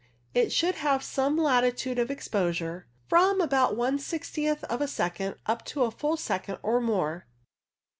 It should have some latitude of exposure, from about one sixtieth of a second up to a full second or more.